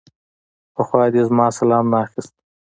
پخوا دې زما سلام نه اخيست.